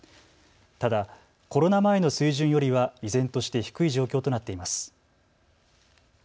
ただコロナ前の水準よりは依然として低い状況となっています。